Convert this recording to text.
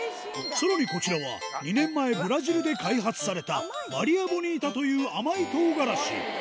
さらにこちらは、２年前、ブラジルで開発された、マリアボニータという甘いとうがらし。